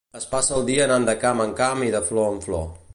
Es passa el dia anant de camp en camp i de flor en flor.